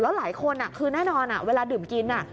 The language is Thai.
หลายคนคือแน่นอนเวลาดื่มกิน